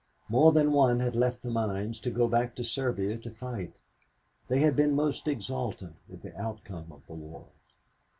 More than one had left the mines to go back to Serbia to fight. They had been most exultant with the outcome of the war.